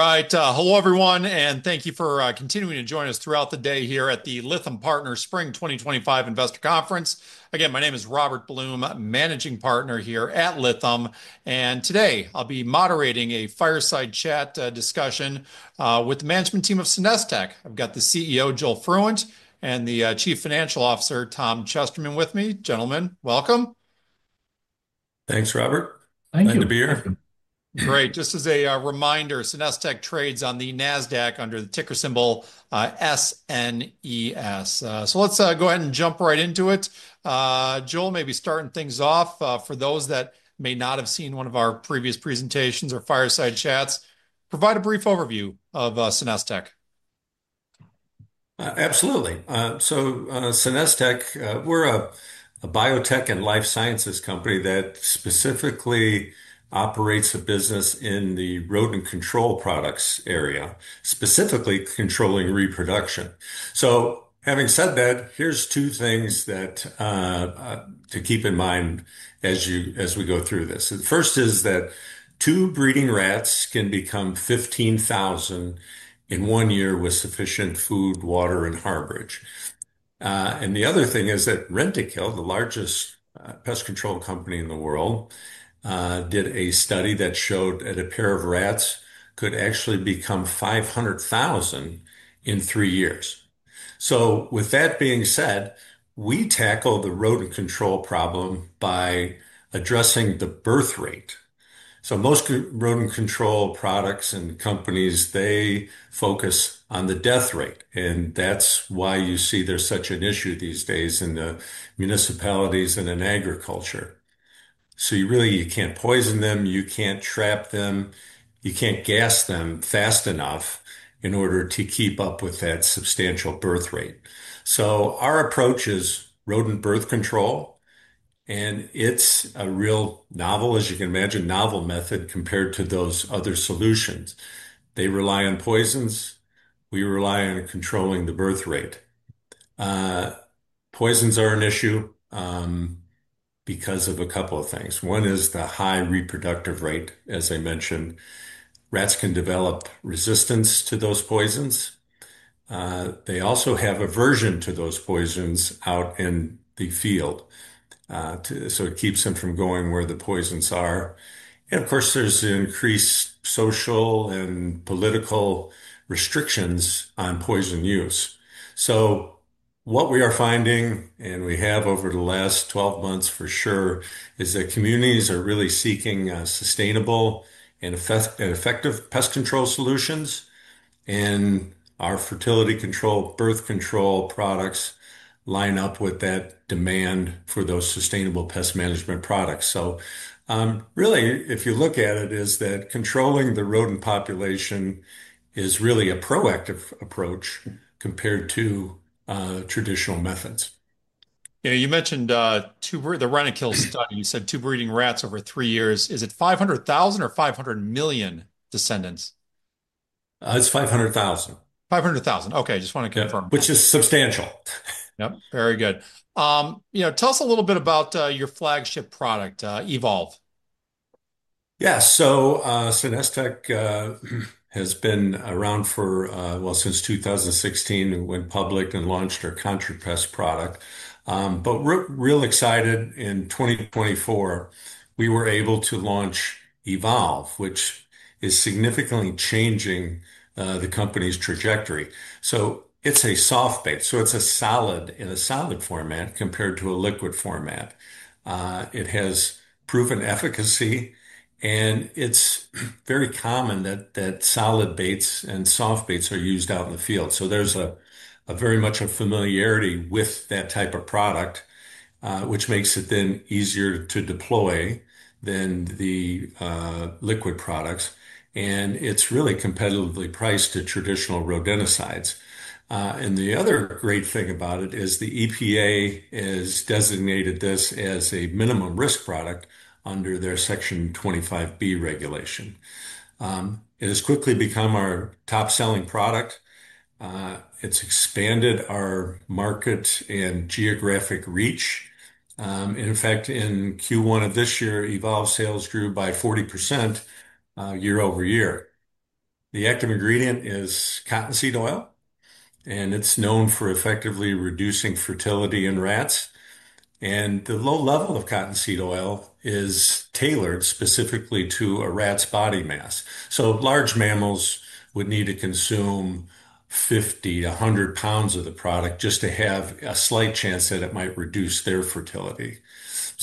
All right. Hello, everyone, and thank you for continuing to join us throughout the day here at the Lytham Partners Spring 2025 Investor Conference. Again, my name is Robert Blum, Managing Partner here at Lytham. Today I'll be moderating a fireside chat discussion with the management team of SenesTech. I've got the CEO, Joel Fruendt, and the Chief Financial Officer, Tom Chesterman, with me. Gentlemen, welcome. Thanks, Robert. Thank you. Glad to be here. Great. Just as a reminder, SenesTech trades on the NASDAQ under the ticker symbol SNES. Let's go ahead and jump right into it. Joel, maybe starting things off, for those that may not have seen one of our previous presentations or fireside chats, provide a brief overview of SenesTech. Absolutely. So SenesTech, we're a biotech and life sciences company that specifically operates a business in the rodent control products area, specifically controlling reproduction. Having said that, here are two things to keep in mind as we go through this. The first is that two breeding rats can become 15,000 in one year with sufficient food, water, and harborage. The other thing is that Rentokil, the largest pest control company in the world, did a study that showed that a pair of rats could actually become 500,000 in three years. With that being said, we tackle the rodent control problem by addressing the birth rate. Most rodent control products and companies focus on the death rate. That is why you see there is such an issue these days in the municipalities and in agriculture. You really, you cannot poison them. You cannot trap them. You can't gas them fast enough in order to keep up with that substantial birth rate. Our approach is rodent birth control. It's a real novel, as you can imagine, novel method compared to those other solutions. They rely on poisons. We rely on controlling the birth rate. Poisons are an issue because of a couple of things. One is the high reproductive rate, as I mentioned. Rats can develop resistance to those poisons. They also have aversion to those poisons out in the field. It keeps them from going where the poisons are. Of course, there's increased social and political restrictions on poison use. What we are finding, and we have over the last 12 months for sure, is that communities are really seeking sustainable and effective pest control solutions. Our fertility control, birth control products line up with that demand for those sustainable pest management products. If you look at it, controlling the rodent population is really a proactive approach compared to traditional methods. Yeah. You mentioned the Rentokil study. You said two breeding rats over three years. Is it 500,000 or 500 million descendants? It's 500,000. 500,000. Okay. I just want to confirm. Which is substantial. Yep. Very good. You know, tell us a little bit about your flagship product, Evolve. Yeah. So SenesTech has been around for, well, since 2016, went public and launched our ContraPest product. Real excited in 2024, we were able to launch Evolve, which is significantly changing the company's trajectory. It's a soft bait. It's a solid in a solid format compared to a liquid format. It has proven efficacy. It's very common that solid baits and soft baits are used out in the field. There's very much a familiarity with that type of product, which makes it then easier to deploy than the liquid products. It's really competitively priced to traditional rodenticides. The other great thing about it is the EPA has designated this as a minimum risk product under their Section 25(b) regulation. It has quickly become our top-selling product. It's expanded our market and geographic reach. In fact, in Q1 of this year, Evolve sales grew by 40% year-over-year. The active ingredient is cottonseed oil. It is known for effectively reducing fertility in rats. The low level of cottonseed oil is tailored specifically to a rat's body mass. Large mammals would need to consume 50-100 pounds of the product just to have a slight chance that it might reduce their fertility.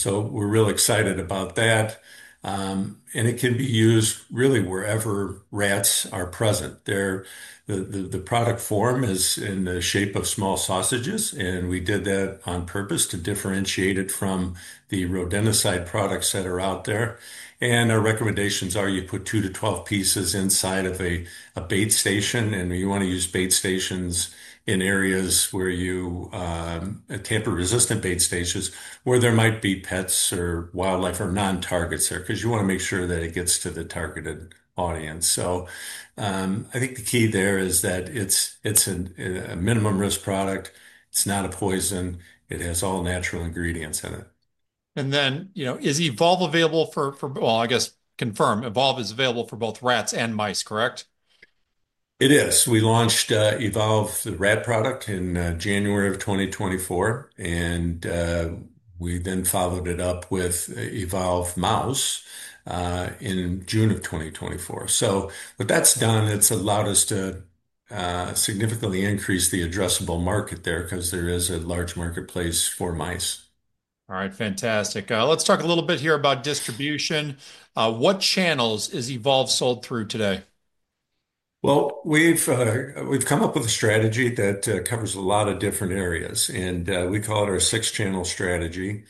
We are real excited about that. It can be used really wherever rats are present. The product form is in the shape of small sausages. We did that on purpose to differentiate it from the rodenticide products that are out there. Our recommendations are you put 2-12 pieces inside of a bait station. You want to use bait stations in areas where you use tamper-resistant bait stations where there might be pets or wildlife or non-targets there because you want to make sure that it gets to the targeted audience. I think the key there is that it's a minimum risk product. It's not a poison. It has all natural ingredients in it. And then, you know, is Evolve available for, well, I guess confirm, Evolve is available for both rats and mice, correct? It is. We launched Evolve, the rat product, in January of 2024. We then followed it up with Evolve Mouse in June of 2024. What that has done, it has allowed us to significantly increase the addressable market there because there is a large marketplace for mice. All right. Fantastic. Let's talk a little bit here about distribution. What channels is Evolve sold through today? We have come up with a strategy that covers a lot of different areas. We call it our six-channel strategy.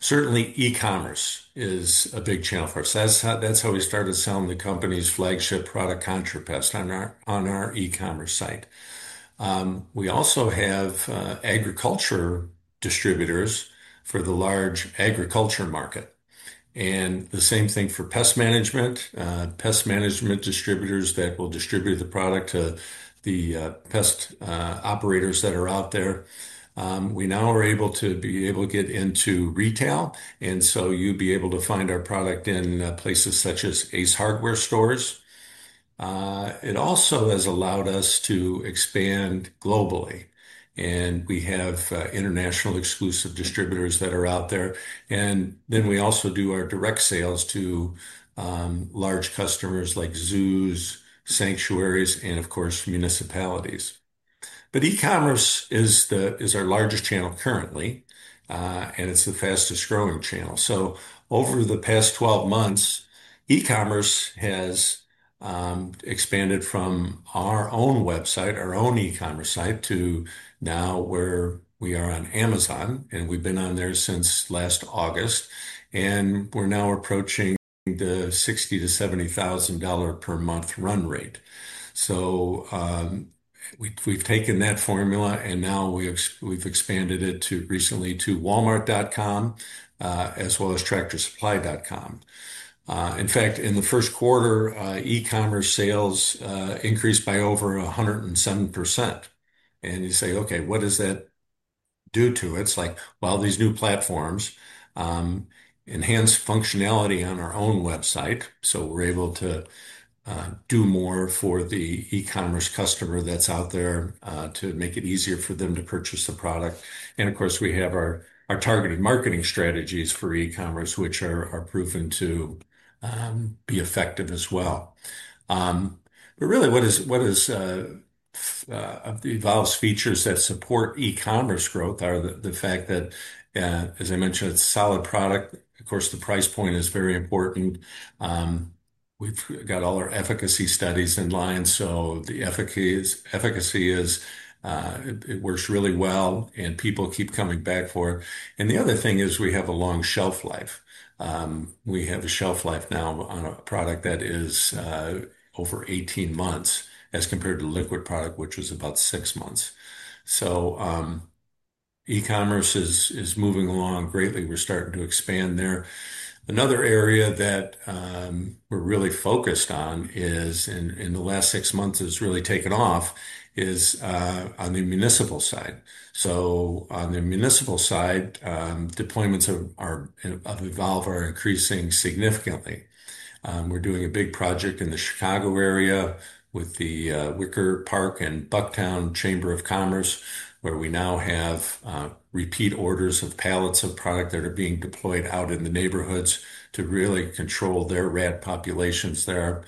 Certainly, e-commerce is a big channel for us. That is how we started selling the company's flagship product, ContraPest, on our e-commerce site. We also have agriculture distributors for the large agriculture market. The same thing for pest management, pest management distributors that will distribute the product to the pest operators that are out there. We now are able to get into retail. You would be able to find our product in places such as Ace Hardware stores. It also has allowed us to expand globally. We have international exclusive distributors that are out there. We also do our direct sales to large customers like zoos, sanctuaries, and of course, municipalities. E-commerce is our largest channel currently. It's the fastest growing channel. Over the past 12 months, e-commerce has expanded from our own website, our own e-commerce site, to now where we are on Amazon. We've been on there since last August. We're now approaching the $60,000-$70,000 per month run rate. We've taken that formula, and now we've expanded it recently to walmart.com as well as tractorsupply.com. In fact, in the first quarter, e-commerce sales increased by over 107%. You say, "Okay, what does that do to it?" It's like, these new platforms enhance functionality on our own website. We're able to do more for the e-commerce customer that's out there to make it easier for them to purchase the product. Of course, we have our targeted marketing strategies for e-commerce, which are proven to be effective as well. Really, what is the Evolve's features that support e-commerce growth are the fact that, as I mentioned, it's a solid product. Of course, the price point is very important. We've got all our efficacy studies in line. The efficacy is it works really well. People keep coming back for it. The other thing is we have a long shelf life. We have a shelf life now on a product that is over 18 months as compared to the liquid product, which was about six months. E-commerce is moving along greatly. We're starting to expand there. Another area that we're really focused on in the last six months has really taken off is on the municipal side. On the municipal side, deployments of Evolve are increasing significantly. We're doing a big project in the Chicago area with the Wicker Park and Bucktown Chamber of Commerce, where we now have repeat orders of pallets of product that are being deployed out in the neighborhoods to really control their rat populations there.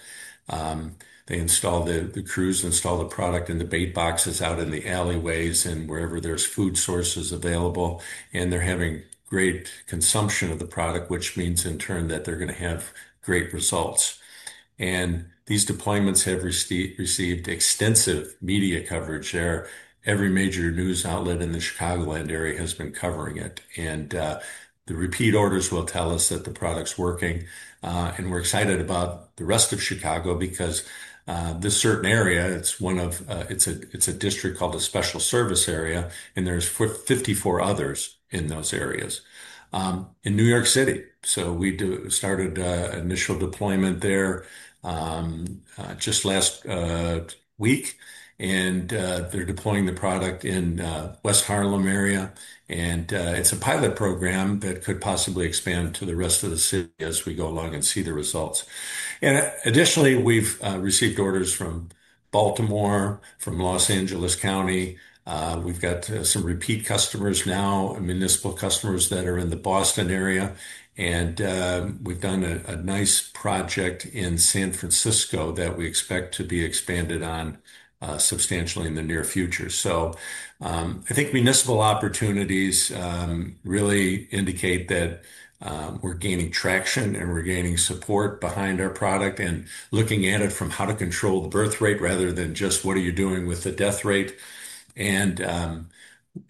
They install, the crews install the product in the bait boxes out in the alleyways and wherever there's food sources available. They're having great consumption of the product, which means in turn that they're going to have great results. These deployments have received extensive media coverage there. Every major news outlet in the Chicagoland area has been covering it. The repeat orders will tell us that the product's working. We're excited about the rest of Chicago because this certain area, it's one of, it's a district called a special service area. There are 54 others in those areas in New York City. We started initial deployment there just last week. They're deploying the product in the West Harlem area. It's a pilot program that could possibly expand to the rest of the city as we go along and see the results. Additionally, we've received orders from Baltimore and from Los Angeles County. We've got some repeat customers now, municipal customers that are in the Boston area. We've done a nice project in San Francisco that we expect to be expanded on substantially in the near future. I think municipal opportunities really indicate that we're gaining traction and we're gaining support behind our product and looking at it from how to control the birth rate rather than just what are you doing with the death rate.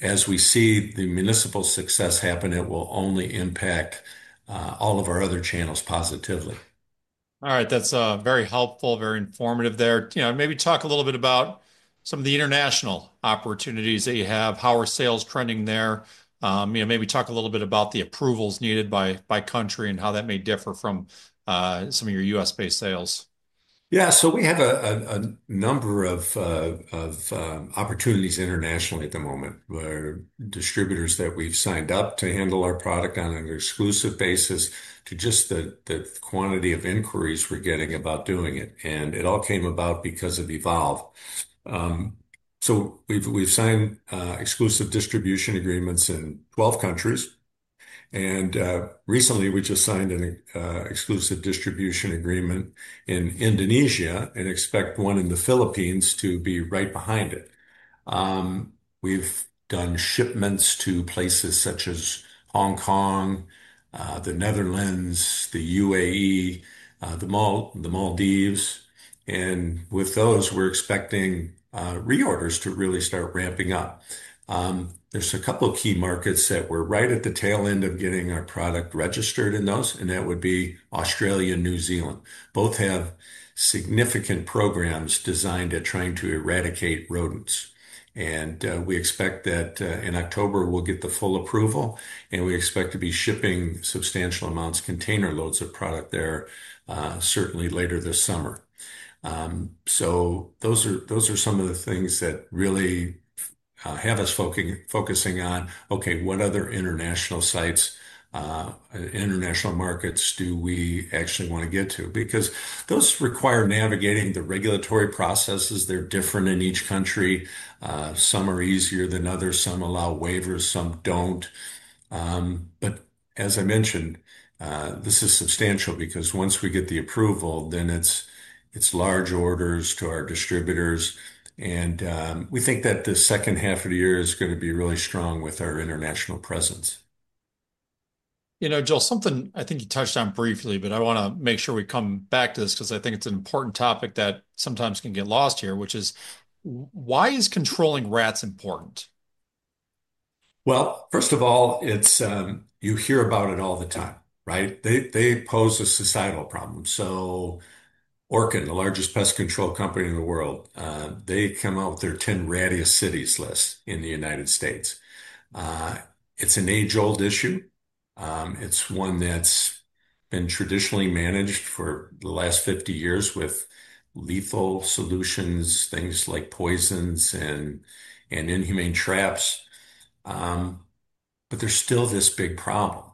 As we see the municipal success happen, it will only impact all of our other channels positively. All right. That's very helpful, very informative there. Maybe talk a little bit about some of the international opportunities that you have, how are sales trending there. Maybe talk a little bit about the approvals needed by country and how that may differ from some of your U.S. based sales. Yeah. We have a number of opportunities internationally at the moment where distributors that we've signed up to handle our product on an exclusive basis due to just the quantity of inquiries we're getting about doing it. It all came about because of Evolve. We've signed exclusive distribution agreements in 12 countries. Recently, we just signed an exclusive distribution agreement in Indonesia and expect one in the Philippines to be right behind it. We've done shipments to places such as Hong Kong, the Netherlands, the UAE, the Maldives. With those, we're expecting reorders to really start ramping up. There are a couple of key markets that we're right at the tail end of getting our product registered in. That would be Australia and New Zealand. Both have significant programs designed at trying to eradicate rodents. We expect that in October, we'll get the full approval. We expect to be shipping substantial amounts, container loads of product there, certainly later this summer. Those are some of the things that really have us focusing on, okay, what other international sites, international markets do we actually want to get to? Because those require navigating the regulatory processes. They're different in each country. Some are easier than others. Some allow waivers. Some do not. As I mentioned, this is substantial because once we get the approval, then it's large orders to our distributors. We think that the second half of the year is going to be really strong with our international presence. You know, Joel, something I think you touched on briefly, but I want to make sure we come back to this because I think it's an important topic that sometimes can get lost here, which is why is controlling rats important? First of all, you hear about it all the time, right? They pose a societal problem. Orkin, the largest pest control company in the world, they come out with their 10 rattiest cities list in the United States. It is an age-old issue. It is one that has been traditionally managed for the last 50 years with lethal solutions, things like poisons and inhumane traps. There is still this big problem.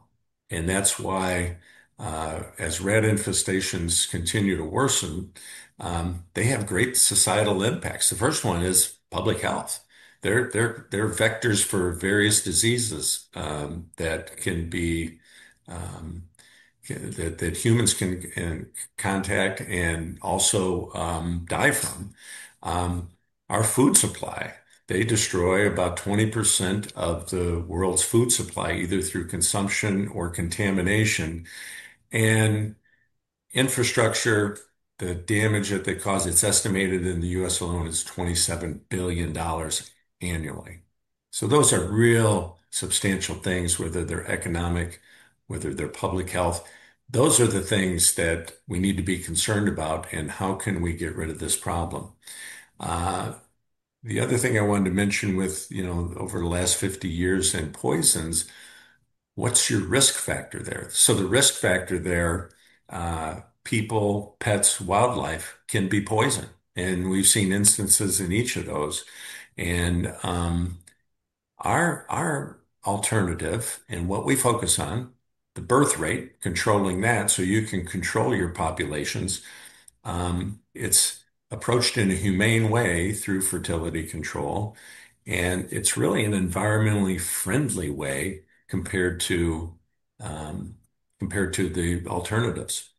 As rat infestations continue to worsen, they have great societal impacts. The first one is public health. They are vectors for various diseases that humans can contact and also die from. Our food supply, they destroy about 20% of the world's food supply either through consumption or contamination. Infrastructure, the damage that they cause, it is estimated in the U.S. alone is $27 billion annually. Those are real substantial things, whether they are economic, whether they are public health. Those are the things that we need to be concerned about and how can we get rid of this problem. The other thing I wanted to mention with, you know, over the last 50 years and poisons, what's your risk factor there? The risk factor there, people, pets, wildlife can be poisoned. We've seen instances in each of those. Our alternative and what we focus on, the birth rate, controlling that so you can control your populations, it's approached in a humane way through fertility control. It's really an environmentally friendly way compared to the alternatives.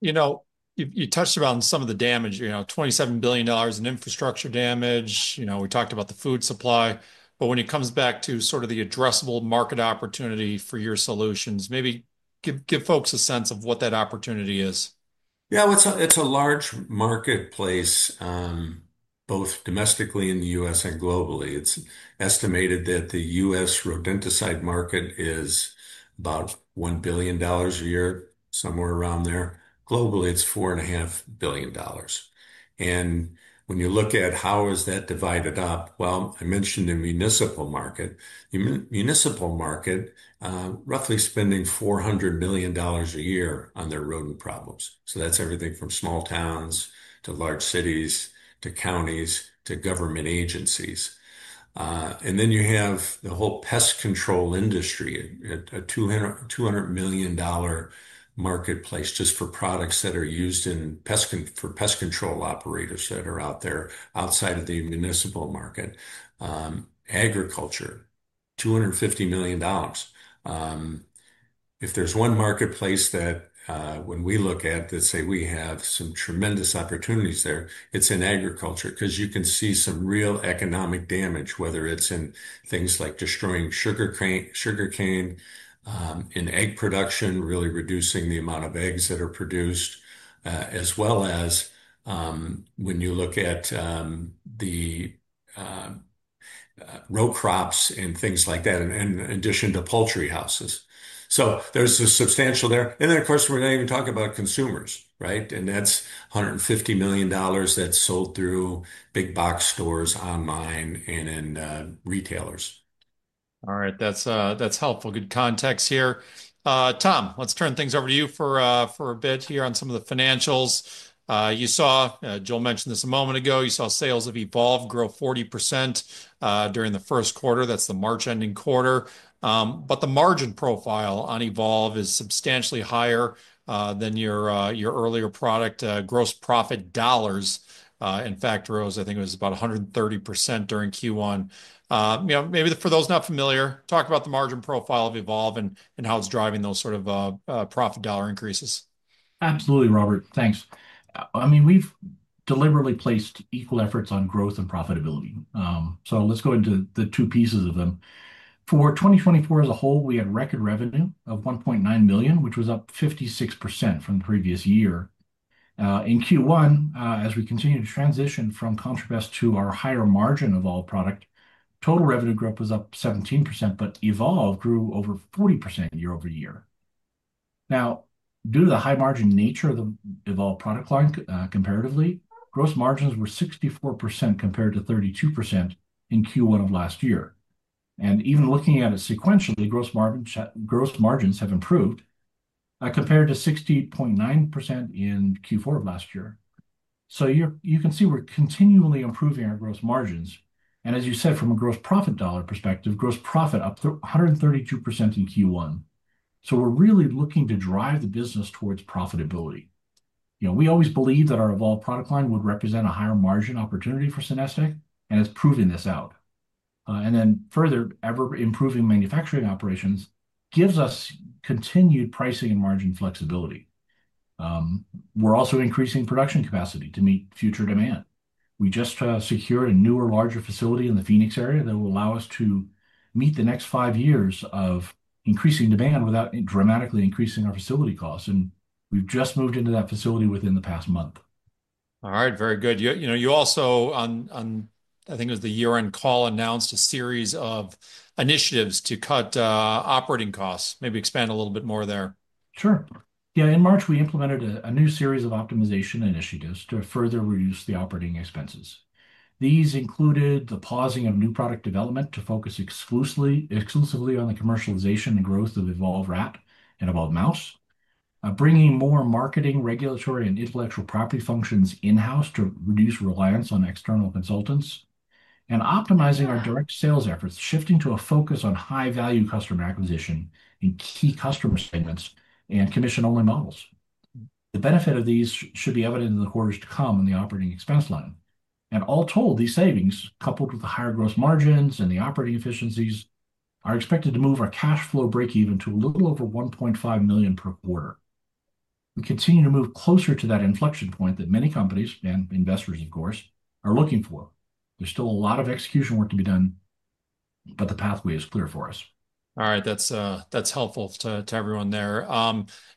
You know, you touched on some of the damage, you know, $27 billion in infrastructure damage. You know, we talked about the food supply. But when it comes back to sort of the addressable market opportunity for your solutions, maybe give folks a sense of what that opportunity is. Yeah, it's a large marketplace, both domestically in the U.S. and globally. It's estimated that the U.S. rodenticide market is about $1 billion a year, somewhere around there. Globally, it's $4.5 billion. When you look at how is that divided up, I mentioned the municipal market. The municipal market, roughly spending $400 million a year on their rodent problems. That's everything from small towns to large cities to counties to government agencies. Then you have the whole pest control industry, a $200 million marketplace just for products that are used for pest control operators that are out there outside of the municipal market. Agriculture, $250 million. If there's one marketplace that when we look at, let's say we have some tremendous opportunities there, it's in agriculture because you can see some real economic damage, whether it's in things like destroying sugarcane, in egg production, really reducing the amount of eggs that are produced, as well as when you look at the row crops and things like that, in addition to poultry houses. There's a substantial opportunity there. Of course, we're not even talking about consumers, right? That's $150 million that's sold through big box stores online and in retailers. All right. That's helpful. Good context here. Tom, let's turn things over to you for a bit here on some of the financials. You saw, Joel mentioned this a moment ago, you saw sales of Evolve grow 40% during the first quarter. That's the March ending quarter. But the margin profile on Evolve is substantially higher than your earlier product gross profit dollars. In fact rose, I think it was about 130% during Q1. Maybe for those not familiar, talk about the margin profile of Evolve and how it's driving those sort of profit dollar increases. Absolutely, Robert. Thanks. I mean, we've deliberately placed equal efforts on growth and profitability. Let's go into the two pieces of them. For 2024 as a whole, we had record revenue of $1.9 million, which was up 56% from the previous year. In Q1, as we continue to transition from ContraPest to our higher margin Evolve product, total revenue growth was up 17%, but Evolve grew over 40% year-over-year. Now, due to the high margin nature of the Evolve product line, comparatively, gross margins were 64% compared to 32% in Q1 of last year. Even looking at it sequentially, gross margins have improved compared to 60.9% in Q4 of last year. You can see we're continually improving our gross margins. As you said, from a gross profit dollar perspective, gross profit up to 132% in Q1. We're really looking to drive the business towards profitability. We always believe that our Evolve product line would represent a higher margin opportunity for SenesTech, and it's proving this out. Further, ever-improving manufacturing operations gives us continued pricing and margin flexibility. We're also increasing production capacity to meet future demand. We just secured a newer, larger facility in the Phoenix area that will allow us to meet the next five years of increasing demand without dramatically increasing our facility costs. We've just moved into that facility within the past month. All right. Very good. You also, I think it was the year-end call, announced a series of initiatives to cut operating costs, maybe expand a little bit more there. Sure. Yeah, in March, we implemented a new series of optimization initiatives to further reduce the operating expenses. These included the pausing of new product development to focus exclusively on the commercialization and growth of Evolve Rat and Evolve Mouse, bringing more marketing, regulatory, and intellectual property functions in-house to reduce reliance on external consultants, and optimizing our direct sales efforts, shifting to a focus on high-value customer acquisition in key customer segments and commission-only models. The benefit of these should be evident in the quarters to come in the operating expense line. All told, these savings, coupled with the higher gross margins and the operating efficiencies, are expected to move our cash flow break-even to a little over $1.5 million per quarter. We continue to move closer to that inflection point that many companies and investors, of course, are looking for. There's still a lot of execution work to be done, but the pathway is clear for us. All right. That's helpful to everyone there.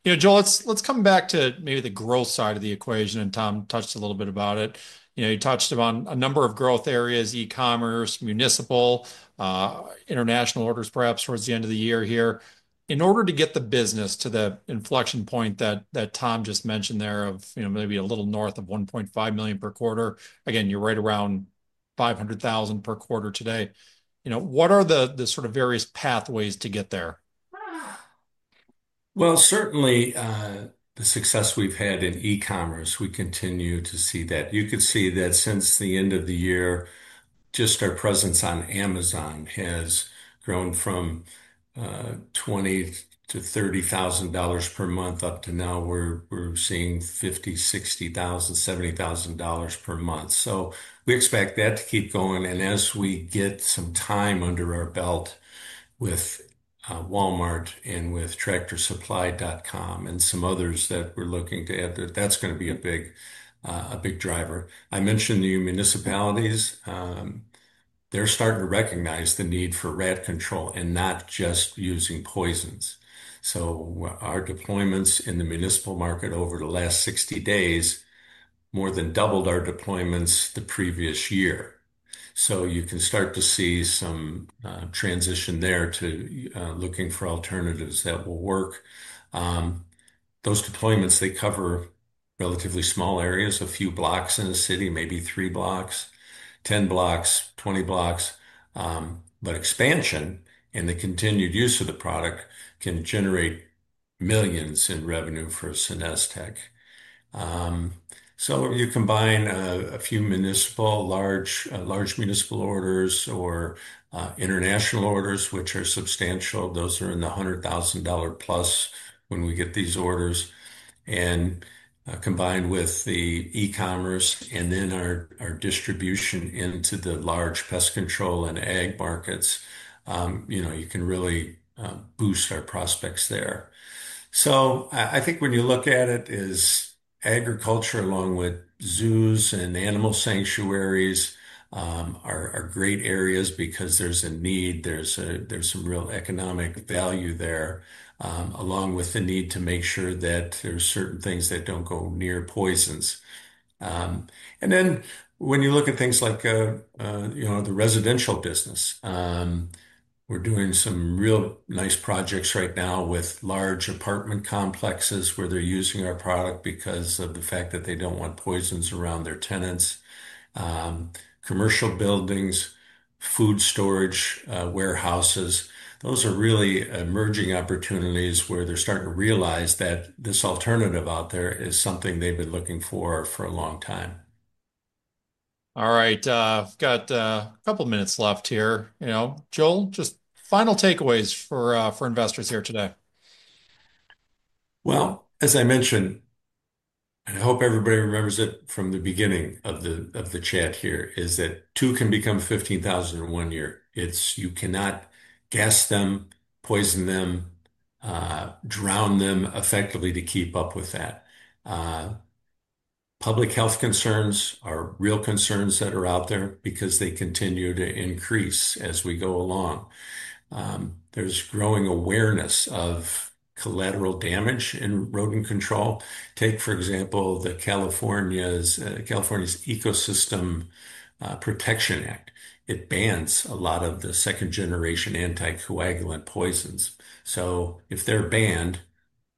Joel, let's come back to maybe the growth side of the equation. Tom touched a little bit about it. You touched on a number of growth areas, e-commerce, municipal, international orders, perhaps towards the end of the year here. In order to get the business to the inflection point that Tom just mentioned there of maybe a little north of $1.5 million per quarter, again, you're right around $500,000 per quarter today. What are the sort of various pathways to get there? Certainly, the success we've had in e-commerce, we continue to see that. You could see that since the end of the year, just our presence on Amazon has grown from $20,000-$30,000 per month up to now where we're seeing $50,000, $60,000, $70,000 per month. We expect that to keep going. As we get some time under our belt with Walmart and with tractorsupply.com and some others that we're looking to enter, that's going to be a big driver. I mentioned the municipalities, they're starting to recognize the need for rat control and not just using poisons. Our deployments in the municipal market over the last 60 days more than doubled our deployments the previous year. You can start to see some transition there to looking for alternatives that will work. Those deployments, they cover relatively small areas, a few blocks in a city, maybe three blocks, 10 blocks, 20 blocks. Expansion and the continued use of the product can generate millions in revenue for SenesTech. You combine a few municipal, large municipal orders or international orders, which are substantial. Those are in the $100,000 plus when we get these orders. Combined with the e-commerce and then our distribution into the large pest control and ag markets, you can really boost our prospects there. I think when you look at it, agriculture along with zoos and animal sanctuaries are great areas because there's a need. There's some real economic value there, along with the need to make sure that there are certain things that do not go near poisons. When you look at things like the residential business, we're doing some real nice projects right now with large apartment complexes where they're using our product because of the fact that they don't want poisons around their tenants. Commercial buildings, food storage, warehouses, those are really emerging opportunities where they're starting to realize that this alternative out there is something they've been looking for for a long time. All right. We've got a couple of minutes left here. Joel, just final takeaways for investors here today. As I mentioned, and I hope everybody remembers it from the beginning of the chat here, two can become 15,000 in one year. You cannot gas them, poison them, drown them effectively to keep up with that. Public health concerns are real concerns that are out there because they continue to increase as we go along. There is growing awareness of collateral damage in rodent control. Take, for example, California's Ecosystem Protection Act. It bans a lot of the second-generation anticoagulant poisons. If they are banned,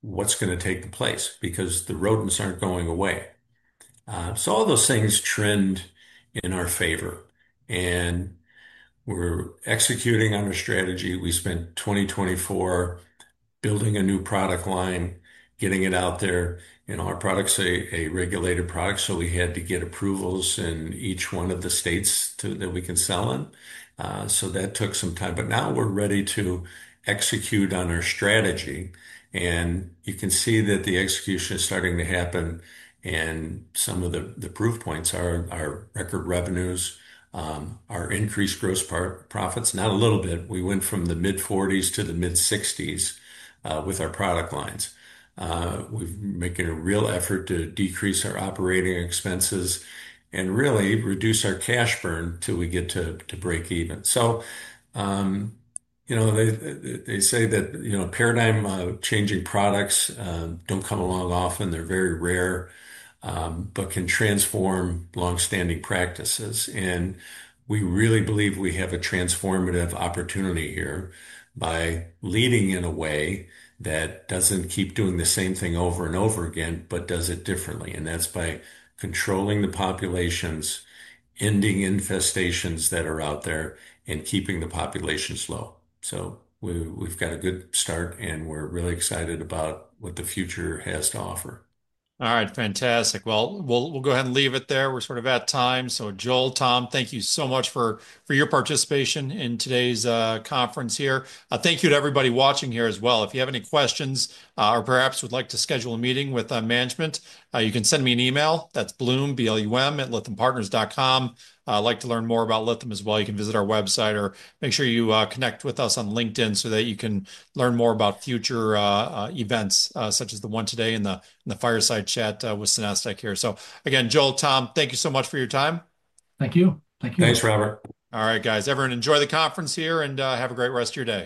what is going to take the place? The rodents are not going away. All those things trend in our favor. We are executing on our strategy. We spent 2024 building a new product line, getting it out there. Our product is a regulated product. We had to get approvals in each one of the states that we can sell in. That took some time. Now we're ready to execute on our strategy. You can see that the execution is starting to happen. Some of the proof points are our record revenues, our increased gross profits, not a little bit. We went from the mid-40s to the mid-60s with our product lines. We're making a real effort to decrease our operating expenses and really reduce our cash burn till we get to break even. They say that paradigm changing products do not come along often. They're very rare, but can transform long-standing practices. We really believe we have a transformative opportunity here by leading in a way that does not keep doing the same thing over and over again, but does it differently. That is by controlling the populations, ending infestations that are out there, and keeping the populations low. We've got a good start, and we're really excited about what the future has to offer. All right. Fantastic. We'll go ahead and leave it there. We're sort of at time. Joel, Tom, thank you so much for your participation in today's conference here. Thank you to everybody watching here as well. If you have any questions or perhaps would like to schedule a meeting with management, you can send me an email. That's Blum, blum@lythampartners.com. If you'd like to learn more about Lytham as well, you can visit our website or make sure you connect with us on LinkedIn so that you can learn more about future events such as the one today in the Fireside Chat with SenesTech here. Again, Joel, Tom, thank you so much for your time. Thank you. Thank you. Thanks, Robert. All right, guys. Everyone, enjoy the conference here and have a great rest of your day.